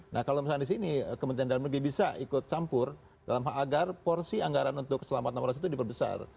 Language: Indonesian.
nah kalau misalnya di sini kementerian dalam negeri bisa ikut campur dalam hal agar porsi anggaran untuk keselamatan nomor satu itu diperbesar